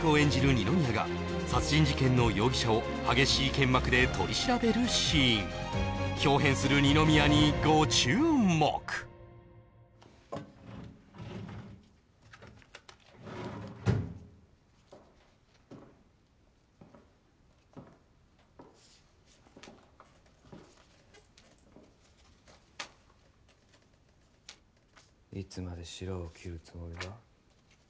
二宮が殺人事件の容疑者を激しい剣幕で取り調べるシーン豹変する二宮にご注目いつまでしらを切るつもりだ